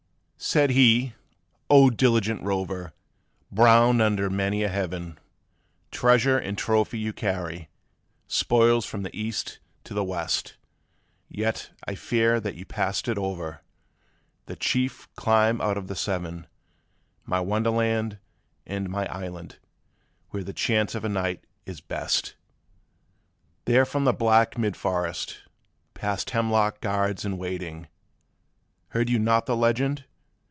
SAID he: 'O diligent rover! browned under many a heaven, Treasure and trophy you carry, spoils from the east and the west; Yet I fear that you passed it over, the chief clime out of the seven, My wonder land and my island, where the chance of a knight is best. 'There from the black mid forest, past hemlock guards in waiting (Heard you not of the legend?)